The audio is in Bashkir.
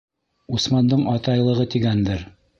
Усмандың атайлығы, тигәндер.